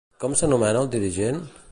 Com s'anomena el dirigent?